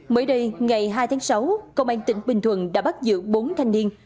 mới đây ngày hai tháng sáu công an tỉnh bình thuận đã bắt giữ bốn thanh niên